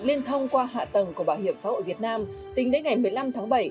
liên thông qua hạ tầng của bảo hiểm xã hội việt nam tính đến ngày một mươi năm tháng bảy